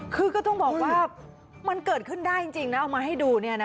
คือก็ต้องบอกว่ามันเกิดขึ้นได้จริงนะเอามาให้ดู